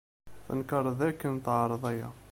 Tenkeṛ dakken teɛreḍ aya.